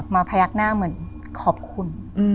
พยักหน้าเหมือนขอบคุณ